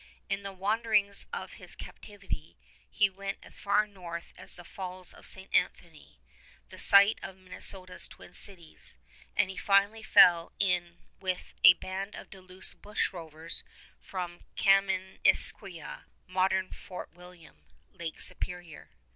In the wanderings of his captivity he went as far north as the Falls of St. Anthony, the site of Minnesota's Twin Cities, and he finally fell in with a band of Duluth's bushrovers from Kaministiquia (modern Fort William), Lake Superior.